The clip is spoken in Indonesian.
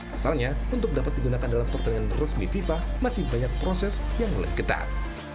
asalnya untuk dapat digunakan dalam pertandingan resmi fifa masih banyak proses yang lebih ketat